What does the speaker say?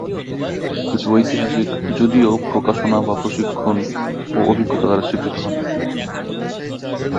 কিছু ঐতিহাসিক যদিও, প্রকাশনা বা প্রশিক্ষণ ও অভিজ্ঞতা দ্বারা স্বীকৃত হন।